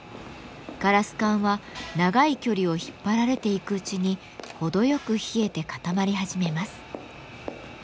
ガラス管は長い距離を引っ張られていくうちに程よく冷えて固まり始めます。